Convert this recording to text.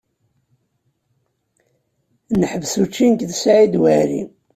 Neḥbes učči nekk d Saɛid Waɛli.